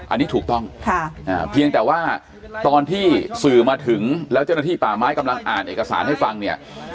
อันนี้ถูกต้องเพียงแต่ว่าตอนที่สื่อมาถึงแล้วเจ้าหน้าที่ป่าไม้กำลังอ่านเอกสารให้ฟังเนี่ย